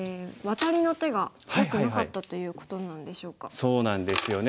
そうなんですよね。